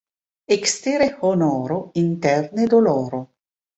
Ekstere honoro, interne doloro.